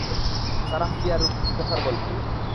Sarah ফিয়ার রুপকথার গল্প।